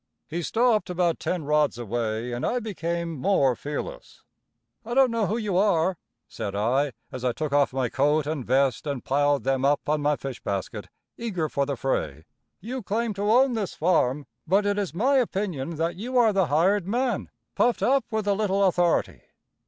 He stopped about ten rods away and I became more fearless. "I don't know who you are," said I, as I took off my coat and vest and piled them up on my fish basket, eager for the fray. "You claim to own this farm, but it is my opinion that you are the hired man, puffed up with a little authority.